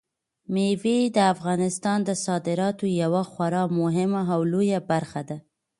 مېوې د افغانستان د صادراتو یوه خورا مهمه او لویه برخه ده.